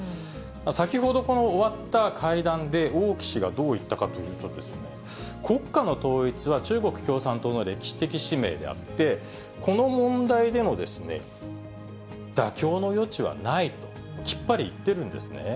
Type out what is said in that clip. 先ほど終わった会談で王毅氏がどう言ったかというと、国家の統一は中国共産党の歴史的使命であって、この問題での妥協の余地はないと、きっぱり言ってるんですね。